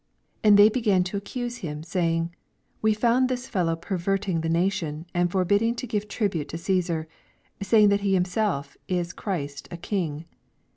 2 And they began to accuse him, Baying, We found th\» fellow pervert ing the nation, and forbiddiufftogive triDute to Caesar, saying that he him self is Christ a King.